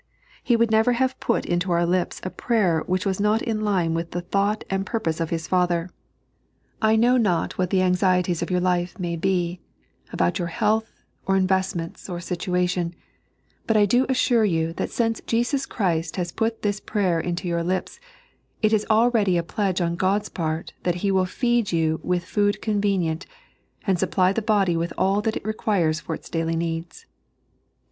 He would never have put into our lips a prayer which was not in line with the thought and purpose of His Father. I know not what the anxieties of your life may be — about 3.n.iized by Google 124 The Disciples' Fbayeb. your health, or investineiits, or situatioQ — but I do assure jrou that eince Jeeus Christ has put this prayer into yoor lips, it is already a pledge on God's part that He will feed you with food convenient, and supply the body with all that it roquiree for its daUy needs.